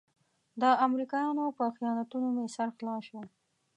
د امريکايانو په خیانتونو مې سر خلاص شو.